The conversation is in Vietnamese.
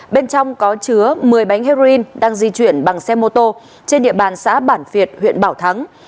bên trong có chứa một mươi bánh heroin đang di chuyển bằng xe mô tô trên địa bàn xã bản việt huyện bảo thắng